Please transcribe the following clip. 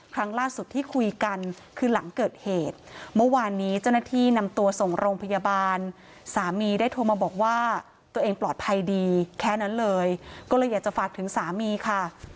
ครั้งล่าสุดที่คุยกันคือหลังเกิดเหตุเมื่อวานนี้เจ้าหน้าที่นำตัวส่งโรงพยาบาลสามีได้โทรมาบอกว่าตัวเองปลอดภัยดีแค่นั้นเลยก็เลยอยากจะฝากถึงสามีค่ะ